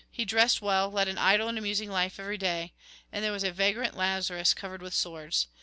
He dressed well, led an idle and amusing life every day. And there was a vagrant, Lazarus, covered with sores.